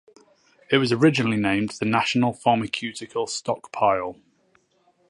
It was originally named the National Pharmaceutical Stockpile.